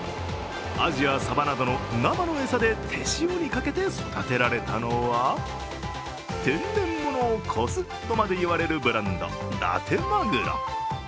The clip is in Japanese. アジやサバなどの生の餌で手塩にかけて育てられたのは天然物を超すとまでいわれるブランド、だてまぐろ。